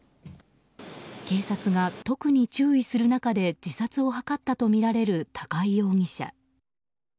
警察が特に注意する中で自殺を図ったとみられる高井容疑者。